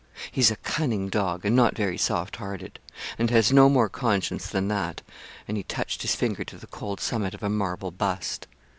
He's a cunning dog, and not very soft hearted; and has no more conscience than that,' and he touched his finger to the cold summit of a marble bust.